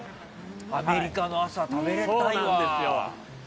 アメリカの朝、食べたいわ。